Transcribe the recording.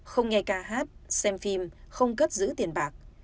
không nghe ca hát xem phim không cất giữ tiền bạc